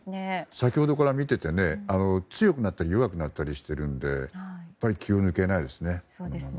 先ほどから見ていて強くなったり弱くなったりしているんでやはり気を抜けないですね。